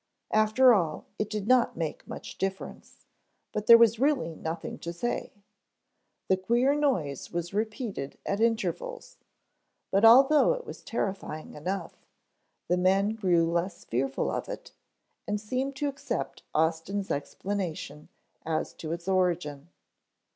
After all, it did not make much difference, but there was really nothing to say. The queer noise was repeated at intervals, but although it was terrifying enough, the men grew less fearful of it and seemed to accept Austin's explanation as to its origin.